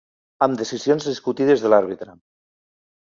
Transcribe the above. Amb decisions discutides de l’àrbitre.